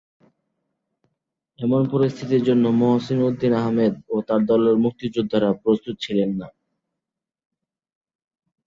এমন পরিস্থিতির জন্য মহসীন উদ্দীন আহমেদ ও তার দলের মুক্তিযোদ্ধারা প্রস্তুত ছিলেন না।